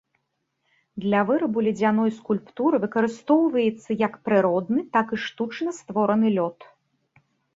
Для вырабу ледзяной скульптуры выкарыстоўваецца як прыродны, так і штучна створаны лёд.